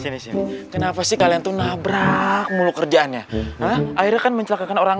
sini sini kenapa sih kalian tuh nabrak muluk kerjaannya akhirnya kan mencelakakan orang